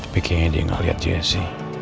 pikirnya dia gak lihat jsc